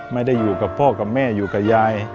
อยู่กับพ่อกับแม่อยู่กับยาย